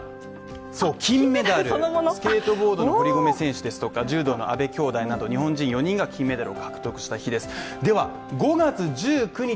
そう金メダルのスケートボードの堀米選手ですとか柔道の阿部きょうだいなど日本人４人が金メダルを獲得した日です